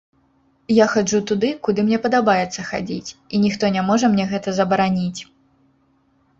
Я хаджу туды, куды мне падабаецца хадзіць, і ніхто не можа мне гэта забараніць.